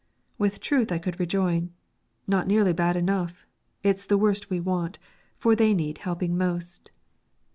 With truth I could rejoin: "Not nearly bad enough. It's the worst we want, for they need helping most."